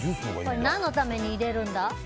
何のために入れるんだ？